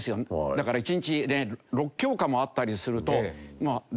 だから１日６教科もあったりすると。